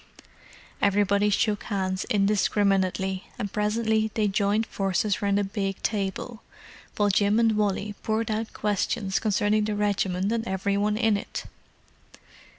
Everybody shook hands indiscriminately, and presently they joined forces round a big table, while Jim and Wally poured out questions concerning the regiment and every one in it.